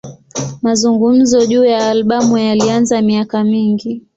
Mazungumzo juu ya albamu yalianza miaka mingi.